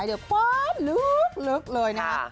ใส่เดี๋ยวลึกเลยนะฮะ